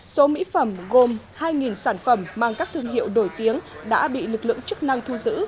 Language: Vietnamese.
số mỹ phẩm gồm hai sản phẩm mang các thương hiệu nổi tiếng đã bị lực lượng chức năng thu giữ